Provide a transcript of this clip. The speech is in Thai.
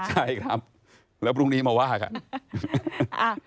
ใช่ครับแล้วพรุ่งนี้มาว่ากัน